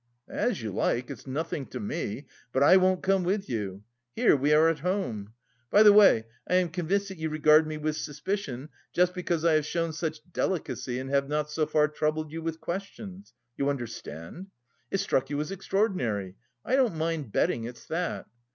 "As you like, it's nothing to me, but I won't come with you; here we are at home. By the way, I am convinced that you regard me with suspicion just because I have shown such delicacy and have not so far troubled you with questions... you understand? It struck you as extraordinary; I don't mind betting it's that.